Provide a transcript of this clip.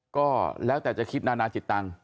ก็แล้วแต่จะคิดนานาจิตตังค์